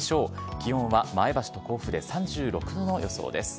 気温は前橋と甲府で３６度の予想です。